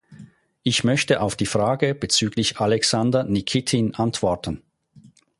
Ich möchte auf die Frage bezüglich Alexander Nikitin antworten.